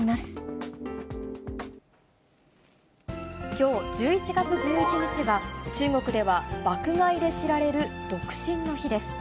きょう１１月１１日は、中国では爆買いで知られる独身の日です。